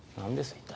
一体。